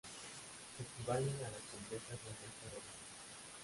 Equivalen a las Completas del Rito romano.